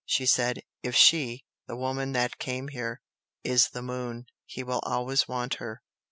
she said "If she the woman that came here, is the moon, he will always want her.